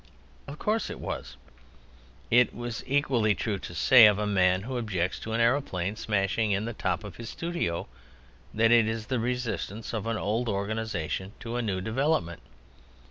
Of course it was! It is equally true to say of a man who objects to an aëroplane smashing in the top of his studio that it is the resistance of an old organization to a new development.